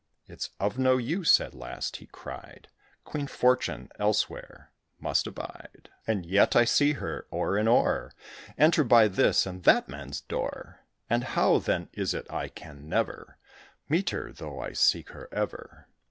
"It's of no use," at last he cried; "Queen Fortune elsewhere must abide; And yet I see her, o'er and o'er, Enter by this and that man's door: And how, then, is it I can never Meet her, though I seek her ever?"